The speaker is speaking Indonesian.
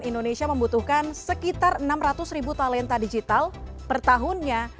indonesia membutuhkan sekitar enam ratus ribu talenta digital per tahunnya